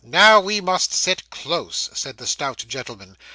'Now we must sit close,' said the stout gentleman.